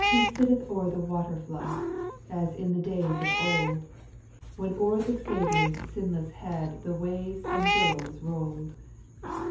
He sitteth o'er the waterfloods, As in the days of old ; When o'er the Saviour's sinless head The waves and billows roU'd. 6.